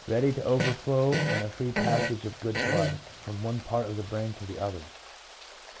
flow, and a free passage of good blood from one part of the brain to the others.